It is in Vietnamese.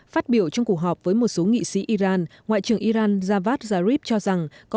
phát biểu trong cuộc họp với một số nghị sĩ iran ngoại trưởng iran javad zarif cho rằng có